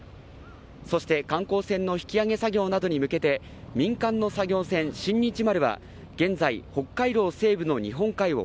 そして観光船の引き揚げ作業などに向けて民間の作業船「新日丸」は現在北海道西部の日本海を